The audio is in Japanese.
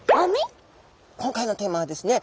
今回のテーマはですね